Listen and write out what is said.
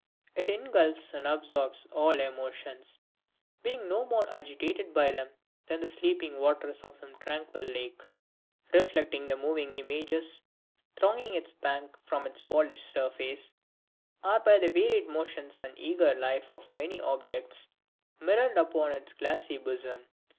It ingulfs and absorbs all emotions, being no more agitated by them than the sleeping waters of some tranquil lake, reflecting the moving images thronging its banks from its polished surface, are by the varied motions and eager life of the many objects mirrored upon its glassy bosom.